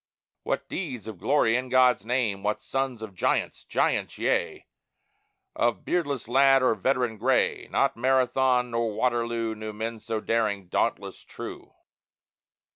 What deeds of glory in God's name! What sons of giants giants, yea Or beardless lad or veteran gray. Not Marathon nor Waterloo Knew men so daring, dauntless, true.